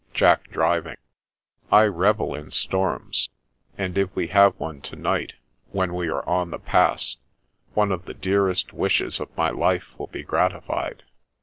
Jack driving). "I revel in storms, and if we have one to night, when we are on the Pass, one of the dearest wishes of my life will be gratified.